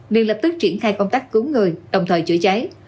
ngay lập tức triển khai công tác cứu người đồng thời chữa cháy